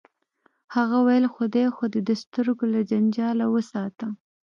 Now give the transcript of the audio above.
هغه ویل خدای خو دې د سترګو له جنجاله وساته